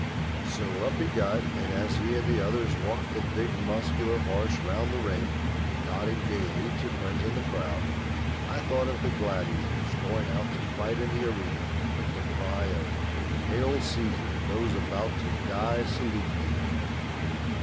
So up he got; and as he and the others walked the big muscular horses round the ring, nodding gaily to friends in the crowd, I thought of the gladiators going out to fight in the arena with the cry of "Hail, Caesar, those about to die salute thee!"